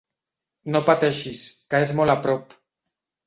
No pateixis, que és molt a prop.